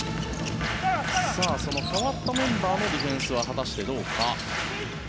その代わったメンバーのディフェンスは果たしてどうか。